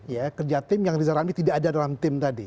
ya kerja tim yang riza ramli tidak ada dalam tim tadi